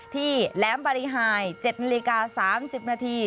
แหลมบริหาย๗นาฬิกา๓๐นาที